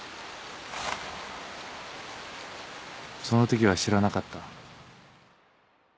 そのときは知らなかった。